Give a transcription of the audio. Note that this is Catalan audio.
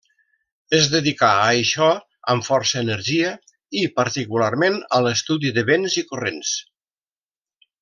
Es dedicà a això amb força energia i, particularment, a l'estudi de vents i corrents.